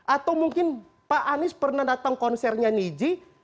atau mungkin pak anies pernah datang konsernya niji